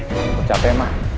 aku capek ma